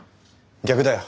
逆だよ。